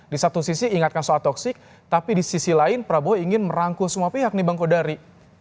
di satu sisi ingatkan soal toksik tapi di sisi lain prabowo ingin merangkul semua pihak nih bang kodari